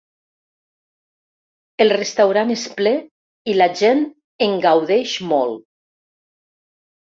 El restaurant és ple i la gent en gaudeix molt.